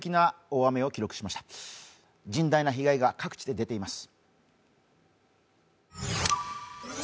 甚大な被害が各地で出ています。